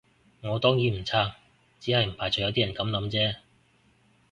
我當然唔撐，只係唔排除有啲人噉諗啫